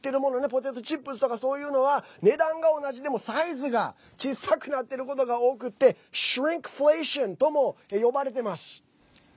ポテトチップスとかそういうのは値段が同じでも、サイズが小さくなってることが多くてシュリンクフレーションとも呼ばれてます。